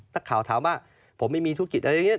ถ้าข่าวถามว่าโน้ทไม่มีธุรกิจอะไรอย่างเงี้ย